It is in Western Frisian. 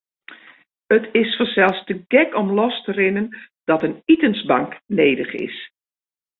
It is fansels te gek om los te rinnen dat in itensbank nedich is.